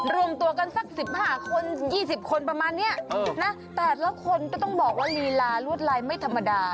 รวมตัวกันสัก๑๕คน๒๐คนประมาณนี้นะแต่ละคนก็ต้องบอกว่าลีลารวดลายไม่ธรรมดา